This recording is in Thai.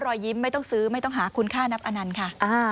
รอยยิ้มไม่ต้องซื้อไม่ต้องหาคุณค่านับอนันต์ค่ะ